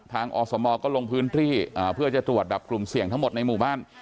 อสมก็ลงพื้นที่เพื่อจะตรวจแบบกลุ่มเสี่ยงทั้งหมดในหมู่บ้าน